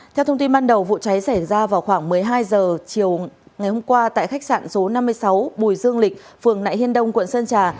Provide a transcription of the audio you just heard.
theo thông tin ban đầu vụ cháy xảy ra vào khoảng một mươi hai h chiều ngày hôm qua tại khách sạn số năm mươi sáu bùi dương lịch phường nại hiên đông quận sơn trà